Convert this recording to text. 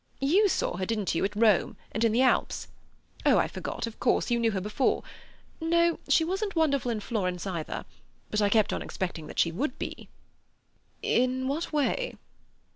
You saw her, didn't you, at Rome and in the Alps. Oh, I forgot; of course, you knew her before. No, she wasn't wonderful in Florence either, but I kept on expecting that she would be." "In what way?"